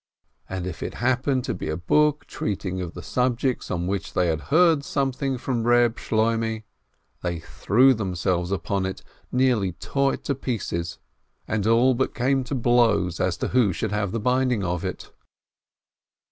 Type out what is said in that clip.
And if it happened to be a book treating of the subjects on which they had heard something from Reb 346 PINSKI Shloimeh, they threw themselves upon it, nearly tore it to pieces, and all but came to blows as to who should have the binding of it.